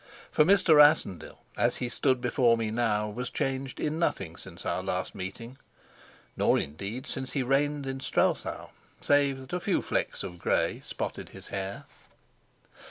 For Mr. Rassendyll, as he stood before me now, was changed in nothing since our last meeting, nor indeed since he reigned in Strelsau, save that a few flecks of gray spotted his hair.